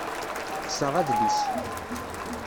Xseɣ adlis